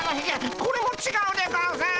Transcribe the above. これもちがうでゴンス！